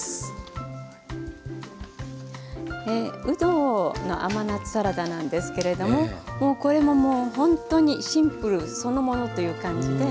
うどの甘夏サラダなんですけれどももうこれももうほんとにシンプルそのものという感じで。